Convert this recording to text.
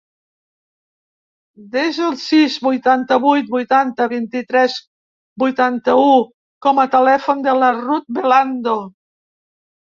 Desa el sis, vuitanta-vuit, vuitanta, vint-i-tres, vuitanta-u com a telèfon de la Ruth Belando.